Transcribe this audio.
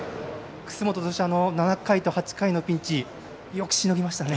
楠本投手７回と８回のピンチよくしのぎましたね。